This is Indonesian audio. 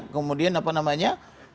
kemudian apa namanya